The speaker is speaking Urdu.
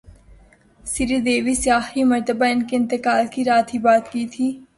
سری دیوی سے اخری مرتبہ انکے انتقال کی رات ہی بات کی تھی